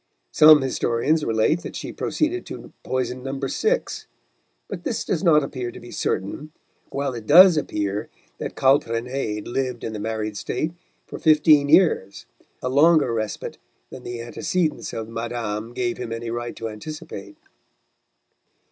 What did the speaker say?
Some historians relate that she proceeded to poison number six, but this does not appear to be certain, while it does appear that Calprenède lived in the married state for fifteen years, a longer respite than the antecedents of madame gave him any right to anticipate.